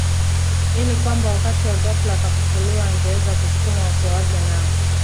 ili kwamba wakati wa ghafla akafufuliwa angeweza kusukuma uso wake nao